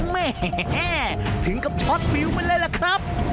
แหมถึงกับช็อตฟิลไปเลยล่ะครับ